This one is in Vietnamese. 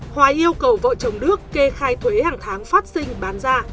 hòa yêu cầu vợ chồng đức kê khai thuế hàng tháng phát sinh bán ra